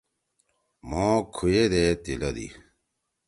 مھو کُھوئے دے تیِلَدی۔